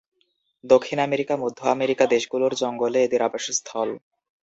দক্ষিণ আমেরিকা, মধ্য আমেরিকা দেশগুলোর জঙ্গলে এদের আবাসস্থল।